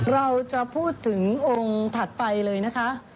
เราจะพูดถึงองค์ถัดไปเลยนะคะ